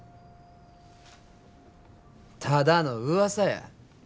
ただのうわさや。